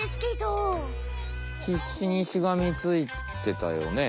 ひっしにしがみついてたよね。